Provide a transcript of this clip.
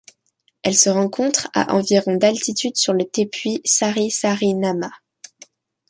Elle se rencontre à environ d'altitude sur le tepui Sarisariñama.